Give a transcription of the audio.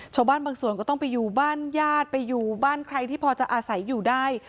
ชาวบ้านบางส่วนก็ต้องไปอยู่บ้านญาติไปอยู่บ้านใครที่พอจะอาศัยอยู่ได้